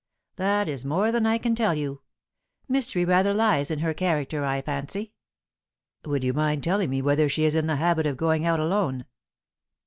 "That is more than I can tell you. Mystery rather lies in her character, I fancy." "Would you mind telling me whether she is in the habit of going out alone?"